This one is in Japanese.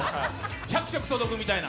１００食届くみたいな。